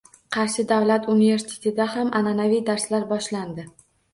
Qarshi davlat universitetida ham an’anaviy darslar boshlandi